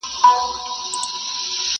o خوندي مړې سوې، چي پاته ترلې سوې!